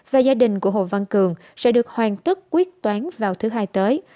và gia đình của hồ văn cường sẽ được hoàn tất quyết toán vào thứ hai tới